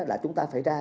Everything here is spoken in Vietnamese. là chúng ta phải ra